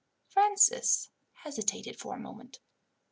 Francis hesitated for a moment.